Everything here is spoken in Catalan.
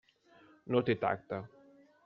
No té tacte.